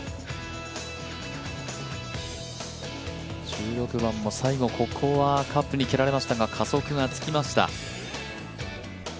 １６番も最後ここはカップに蹴られましたが加速がつきました。